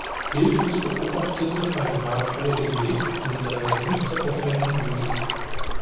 Hilflos beobachtete Almagro den Weg von seiner Sänfte auf einem Hügel.